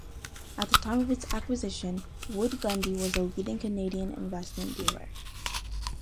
At the time of its acquisition, Wood Gundy was the leading Canadian investment dealer.